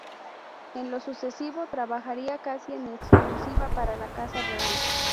En lo sucesivo trabajaría casi en exclusiva para la casa real.